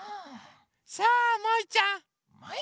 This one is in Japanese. さあもいちゃんもい？